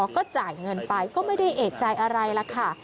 ก็จ่ายเงินไปก็ไม่ได้เอกใจอะไรล่ะค่ะ